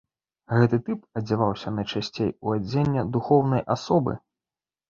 Гэты тып адзяваўся найчасцей у адзенне духоўнай асобы.